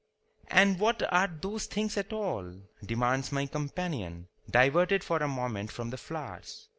"And what are those things at all?" demands my companion, diverted for a moment from the flowers.